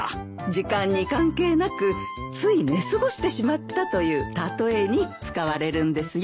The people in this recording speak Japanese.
時間に関係なくつい寝過ごしてしまったという例えに使われるんですよ。